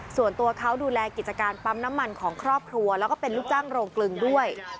ส่วนตัวเขาดูแลกิจการปั๊มน้ำมันของครอบครัวแล้วก็เป็นลูกจ้างโรงกลึงด้วย